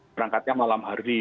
berangkatnya malam hari